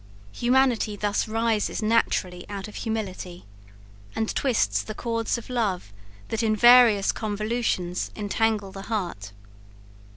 Humanity thus rises naturally out of humility, and twists the cords of love that in various convolutions entangle the heart.